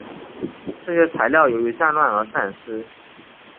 这些材料由于战乱而散失。